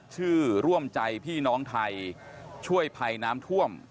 ซื้อร่วมใจพี่น้องไทยช่วยไภน้ำท่วม